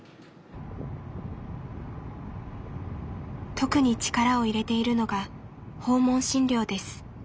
特に力を入れているのが訪問診療です。